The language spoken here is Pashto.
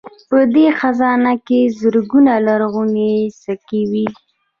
په دې خزانه کې زرګونه لرغونې سکې وې